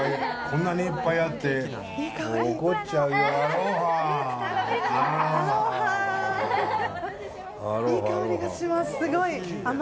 こんなにいっぱいあって怒っちゃうよ。